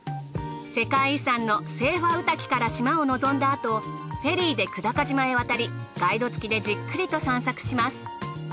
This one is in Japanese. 世界遺産の斎場御嶽から島を望んだあとフェリーで久高島へ渡りガイド付きでじっくりと散策します。